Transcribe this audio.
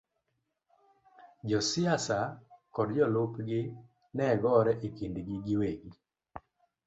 Josiasa kod jolupgi ne gore e kindgi giwegi,